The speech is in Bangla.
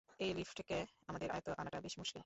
এই লিফটকে আমাদের আয়ত্বে আনাটা বেশ মুশকিল।